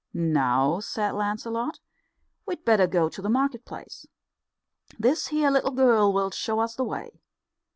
"Now," said Lancelot, "we'd better go to the market place. This here little girl will show us the way.